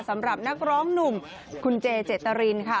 สำหรับนักร้องหนุ่มคุณเจเจตรินค่ะ